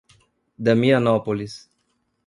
Damianópolis